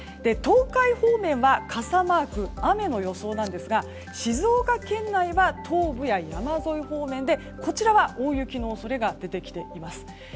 東海方面は傘マーク雨の予想なんですが静岡県内は東部や山沿い方面で、こちらは大雪の恐れが出てきています。